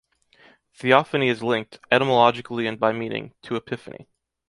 Theophany is linked, etymologically and by meaning, to epiphany.